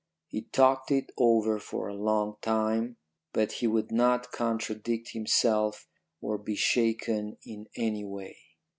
He talked it over for a long time, but he would not contradict himself or be shaken in any way.